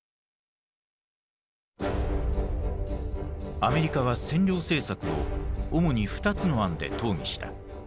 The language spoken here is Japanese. アメリカは占領政策を主に２つの案で討議した。